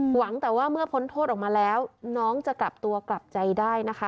หวังแต่ว่าเมื่อพ้นโทษออกมาแล้วน้องจะกลับตัวกลับใจได้นะคะ